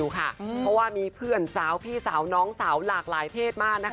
เพราะว่ามีเพื่อนสาวพี่สาวน้องสาวหลากหลายเพศมาก